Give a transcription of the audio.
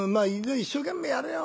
一生懸命やれよ。